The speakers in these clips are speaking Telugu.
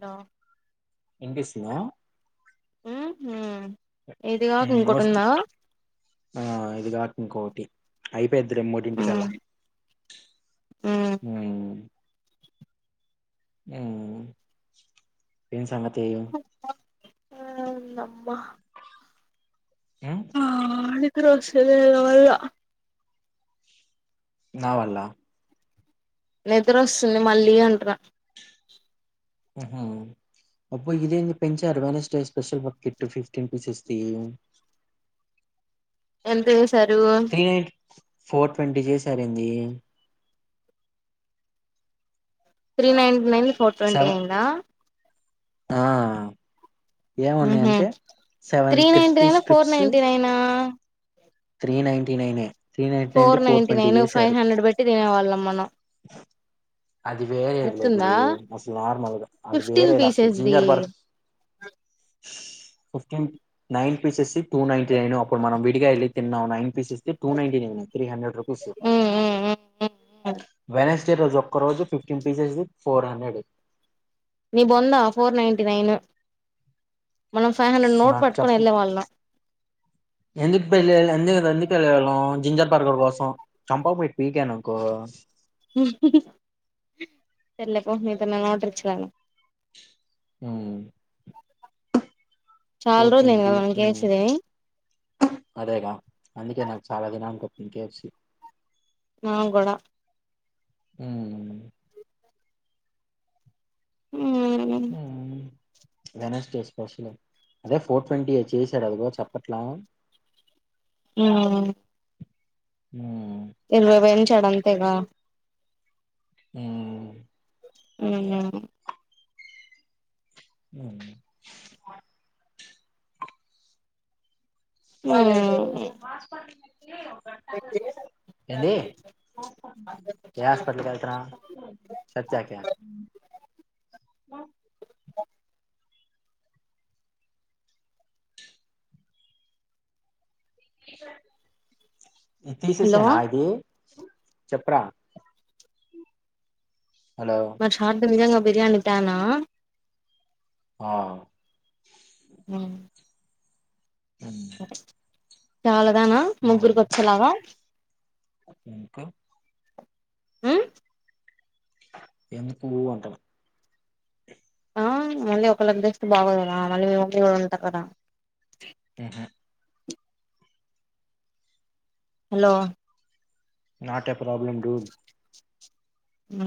నో విన్పిస్తుందా ఉ హు ఇది గాక ఉమ్ ఇంకోటి వస్తు ఉందా ఆ ఇది కాక ఇంకోటి ఐ పెద్దులే మూడింటికల్ల ఆ హ్మ్ ఉమ్ ఏం సంగ నేను నమ్మా ఉ ద్రస్థలేదు మల్ల నావల్ల నిద్ర వస్తుంది మళ్ళీ అంటున్నా ఉహు అబ్బో గిదేంది పెంచారు [unintelligible] స్పెషల్ బకెట్ ఫిఫ్టీన్ పీసెస్ తీ ఎంత చేసారు ఫోర్ ట్వంటీ చేసారేంది three ninety nine four twenty seven అయింద ఆ ఊహు ఏమున్నాయంటే seven three ninety crispy nine for strips ninety నైనా three ninety నైనే three ninety నైడి four ninety twenty nine five చేసారు హండ్రెడ్ పెట్టి తినేవాళ్ళం మనం అది వేరేది లే గుర్తుందా గురు అసలు నార్మల్గా అది ఫిఫ్టీన్ వేరేది అసలు pieces the ginger Burk fifteen nine pieces two ninety nine అప్పుడు మనం విడిగాయ వెళ్ ఎన్నా nine pieces two ninety నైనే three hundred rupees వెలస్ ఇదే రోజు ఒక్క రోజు ఫిఫ్టీన్ పీసెస్ ఫోర్ హండ్రెడ్ నీ బొందా ఫోర్ నైటీ నైను మనం ఫైవ్ హండ్రెడ్ నోట్ నాకు పట్టుకుని చెప్ప వెళ్ళే వాళ్ళం ఎందుకు పెళ్లియయలె ఎందుకుదందీప్ తెలిలం జింజర్ పార్కర్ కోసం చంపవ పోయి పీకననుకో తెర్లేపో మీతన్నా ఓటరిచ్చగాల ఊ చాలా ఫోర్ రోజులైంది ట్వంటీ కదా మనకి ఊ ఏసేది అదేగా అందుకే నాకు చాలా దిననికి ఇంకాప్సి నా కూడా ఊ మ్మ్ ఊ వెనర్స్డే స్పెషల్ అదే ఫోర్ ట్వంటీ చేసాడు అదిగో చెప్పట్లా ఊ ఊ ఇరవై వేంచడంతేగా ఊ ఊ ఊ వాస్పడ్లునయ్ ఎంది ఏ హాస్పిటల్కి వెళ్తార సత్యక అ నీ టీ షర్టు ఇ హలో తీససానా ఇది చెప్పురా హలో మంచి హాట్టు వుంది గా బిర్యానీ తనా ఆ ఉ అ చాలా దానా ముగ్గురికి వచ్చేలాగా ఎందుకు హ ఎందుకు పోూంటడం ఆ మళ్ళీ ఒకళ దస్ట్ బాగోడు కదా మళ్ళీ మేముమళ్ళీ కూడా ఉంటాం కదా ఆహా hello not a problem dude ఆ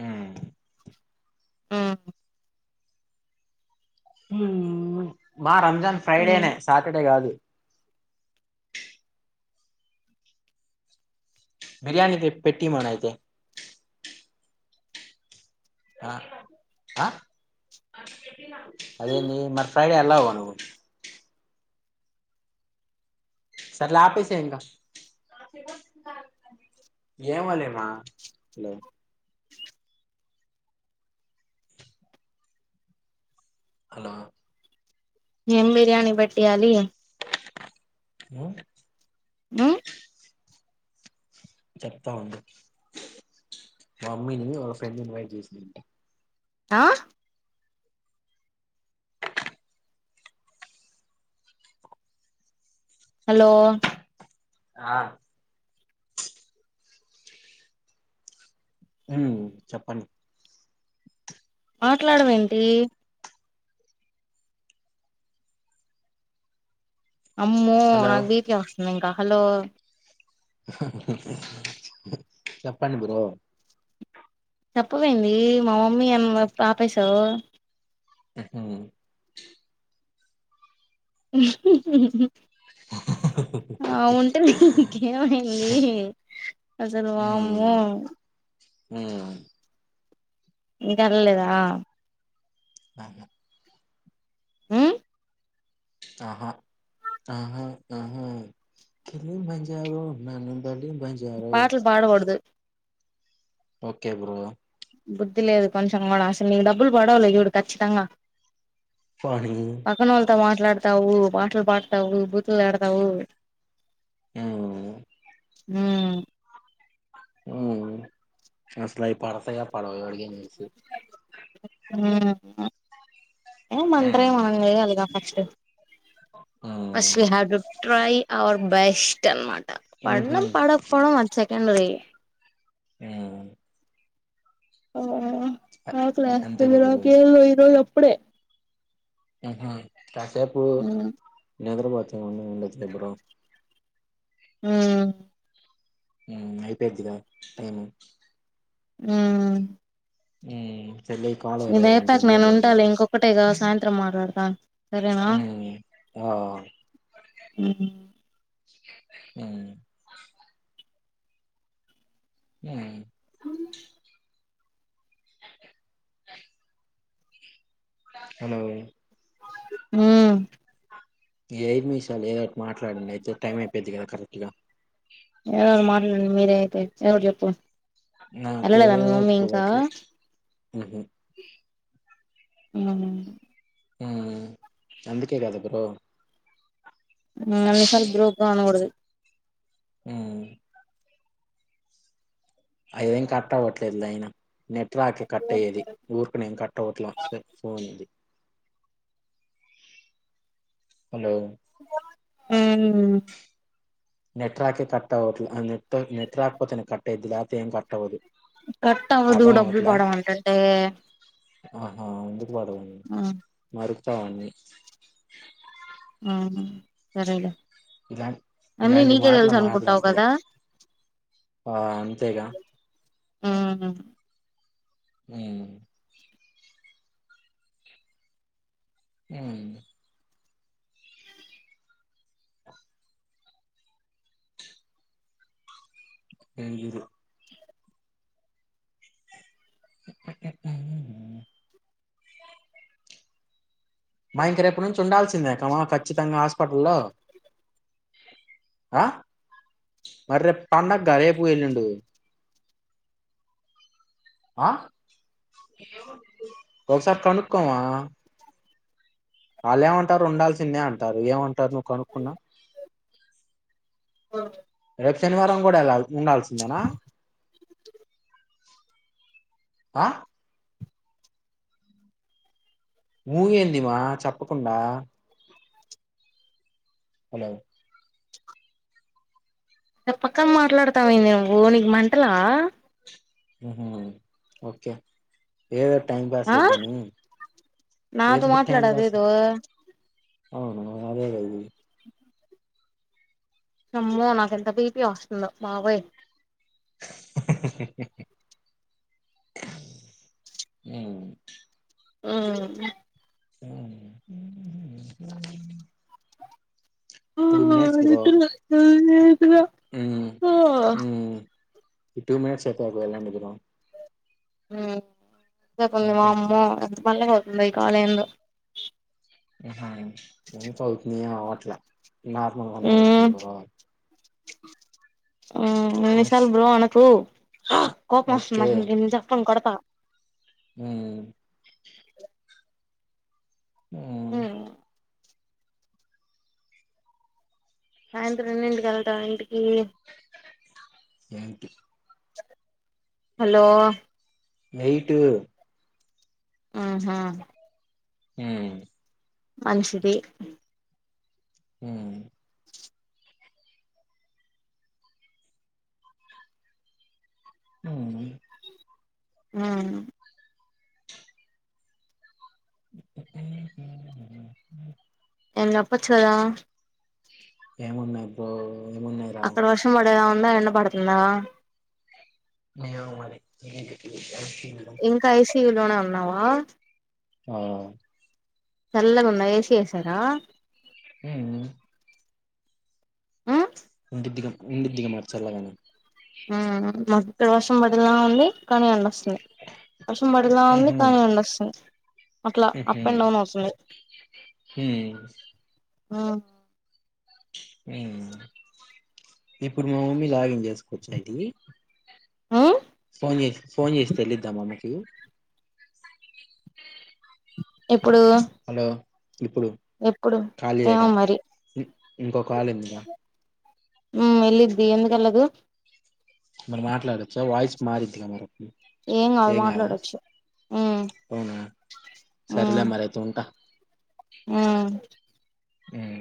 ఆ ఆ హ మా రంజాన్ మ్మ్ ఫ్రైడేనే సాటర్డే కాదు బిర్యానీతే ప పెట్టి మను అయితే ఆ అదేంది మరి ఫ్రైడే వెళ్లవు కదా నువ్వు [unintelligible] [inaudible] హలో ఏం బిర్యానీ పెట్టేయాలి ఉమ్ ఆ చెప్తా ఉండు మమ్మీని ఒక ఫ్రెండ్ ఇన్వైట్ చేసింది ఆ హలో ఆ ఉ చెప్పండి మాట్లాడవేంటి అమ్మో హలో నాకు బీపీ వస్తుంది ఇంకా హలో చెప్పండి బ్రో చెప్పావ్ ఏందీ మా మమ్మీ అని ఆపేసావ్ హ ఆ ఉంటే నీకు ఏమయ్యింది అసలు వామ్మో ఉ ఇంకా ఎల్లలేద ఆహా ఉ ఆహా ఆహా ఆహా బంజారు పాటలు పాడకూడదు ఓకే బ్రో బుద్ది లేదు కొంచెం కూడా అసలు నాకు డబ్బు డబ్బులు పడవు లే ఇగ చూడు కచ్చితంగా పోనీ మాట్లాడతావు పాటలు పాడుతావు బూతులు తిడతావు. హు ఉం ఉ అసలు అయి పడతయా పడవ ఎవడికి ఏసీ ఉమ్ అ ఏమ్ ఆంటారే ఏమ్ హ్మ్ అనరు మనం చేయాలిగా ఫస్ట్ అ హ్మ్ అస్లీ హడ్ వర్క్ ట్రై అవార్. బెస్ట్ అన్నమాట. ఊహూ అన్నం పడకపోవడం ఎండ్ రోయి ఉం ఓఓ ఆకలి అంతేలే లేస్తుంది నాకేం లేదు ఈరోజే చెప్పు అప్పుడే ఆహా కాసేపు ఉమ్ నిదుర నువ్వు ఉండు ఉండకపో బ్రో ఆ అయిపోయిద్దిగా టైము. ఆ ఉ ఇదేపాక నేను ఉంటాలి ఇంకొకటే కాస్త సాయంత్రం మాట్లాడతా సరేనా ఉమ్ ఆ ఉమ్ ఉమ్ ఉం అ హలో ఉమ్ ఐదు నిమిషాలు ఏదో ఒకటి మాట్లాడండి అయితే టైం అయిపోయిద్ది కదా కరెక్ట్ గా ఎవరు మాట్లాడి మీరే అయితే ఏదో ఒకటి చెప్పు నాకే వెళ్ళలేదా మీ మమ్మీ ఇంకా కుదరట్లే ఉహూ [unintelligible] అందుకే కాద బ్రో అన్ని సార్లు బ్రో నకూడదు హ్మ్మ్ అఐదేం కక్ట్ అవ్వట్లేదుదు అయినా నెట్్రాక్ కట్ అయ్యేది ఊరుకునేేం కట్ అవట్లే ఫోన్ ఇది హలో ఆ నెట్ రాకే కట్ అవట్ నెట్ నెట్ రాకపోతే కట్ అది అతే ఏం కట్ అవదు కట్ అవదు డబ్బులు పడ అంటంటే ఆహా ఎందుకు పాా ఆ దొరుకుతావాడి ఆ సరేలే ఇలా అన్నీ ఇలాంటి నీకే మాటలు తెలుసు అనుకుంటావు మాట్లాడితే కదా ఆ అంతేగా ఆ హ్మ్మ్ హమ్ అరు మా ఇంక రేపు నుంచి ఉండాల్సిందేకమా ఖచ్చితంగా హాస్పిటల్లో ఆ మరి రేపు పండగగ రేపు వెళ్ళిండు ఆ ఒకసారి కనుకుమా వాళ్ళు ఏమంటారు ఉండాల్సిందే అంటారు ఏమంటారు నువ్వు కనుక్కున్నా ఎ శనివారం కూడా ఎలా ఉండాల్సిందేనా ఆ ఊహేందిమా చెప్పకుండా హలో చెప్పక మాట్లాడతామంది నువ్వు నీకు మంటలా ఓకే ఏద ఆ నాతో ఏదో టైం మాట్లాడదు పాస్ ఏదో అవును అదేది నమ్మో నాకు ఎంత బీపీ వస్తుందో బాబోయ్ అ ఆ ఆ టూ మినిట్స్ బ్రో అద ఇ ఈ టూ మట్స్ ఏకు వెలాాంటికు ఆ ఎనుకకుంది అయిపోయిద్ది వామ్మో ఎంత మందియో లైక్ ఆ లైన్లో హు హ్ ఎందుకౌతున్నాయో ఆగు ఇట్ల నార్మల్ గానే ఉమ్ వచ్చింది గదా మ్మ్ నిశాల్ బ్రో అనకు హ్ర కోపమస్తుంది నాకు ఇంక ఇ చెక్కతోని కోడ్త్ ఆ మ్మ్ హ్ మ్మ్ సాయంత్రం ఎన్నింటికి వెళ్తావ్ ఇంటికి ఏంటి హలో వెయిటూ ఆహా మ్మ్ హ్ మంచిది మ్మ్ ఉమ్మ్ ఊ మ్మ్ [unintelligible] ఎమన్న చెప్పచ్చు గద ఏమున్నది బ్రో ఏమున్నాయి రా అక్కడ వర్షం పడదా అన్న ఇనబడుతుందా ఏమో మరి నీకె తెలియాలి ఇంక ఏస్ టీవి లోనె వున్నావా హా అ చల్లగుందా ఏ సి ఏసారా ఊమ్ ఉమ్ కొద్దిగా ఉందుదిగా మరి చల్లగనే ఆఅ లగు ఇక్కడ వర్షం పడేలా ఉంది కానీ ఎండ వస్తు ఇక్కడ వర్షం పడేలా ఉంది ఉహూ కానీ ఎండస్తుంది అట్ల అప్ ఉహూ అండ్ డౌన్ అవసరం లేదు ఉమ్ మ్మ్ మ్మ్ ఇప్పుడు మా మమ్మి లాగిన్ చేసుకోవచ్చా ఇది ఉమ్ ఫోన్ చేసి ఫోన్ చేసి తెలిద్దామా మామ్మకి ఇప్పుడు హలో ఇప్పుడు ఎప్పుడు ఏమో మరి ఇంకొ కాల్ వుంది గా ఉ ఎళ్లుద్ది ఎందుకెళ్ళదు మరి మాట్లాడచ్చ వాయిస్ మారిద్దిగా మరి కాదు ఏం కాదా మాట్లాడొచ్చు ఉమ్ అవునా సరేలే మరైతే ఉంటా ఊమ్ ఊమ్